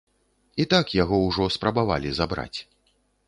І так яго ўжо спрабавалі забраць.